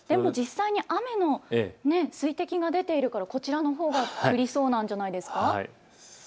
でも実際に雨の水滴が出ているから、こちらのほうが降りそうなんじゃないですか。